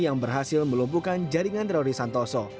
yang berhasil melumpuhkan jaringan teroris santoso